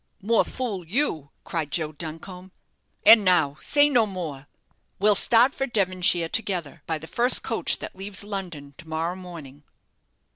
"More fool you," cried Joe Duncombe; "and now say no more. We'll start for Devonshire together by the first coach that leaves London to morrow morning."